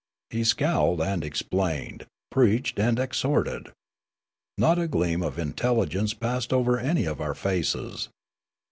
He scowled and explained, preached and exhorted. Not a gleam of intelligence passed over any of our faces.